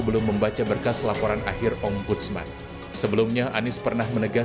sementara dan tentunya kita adakan evaluasi berkala